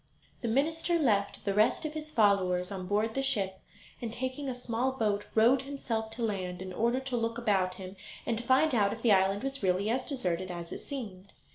The minister left the rest of his followers on board the ship, and taking a small boat rowed himself to land, in order to look about him and to find out if the island was really as deserted as it seemed.